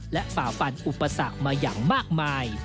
และฝ่าฟันอุปสรรคมาอย่างมากมาย